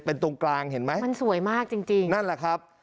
เป็นตรงกลางเห็นไหมมันสวยมากจริงจริงนั่นแหละครับ